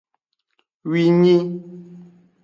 Winyi.